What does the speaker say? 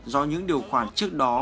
do những điều khoản trước đó